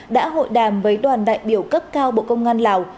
đã hội đàm với đoàn đại biểu cấp cao bộ công an lào